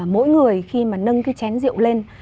mỗi người khi mà nâng cái chén rượu lên